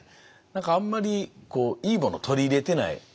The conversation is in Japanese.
何かあんまりいいものを取り入れてない。